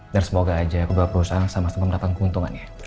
dan semoga saja kedua perusahaan sama sama mendapatkan keuntungan ya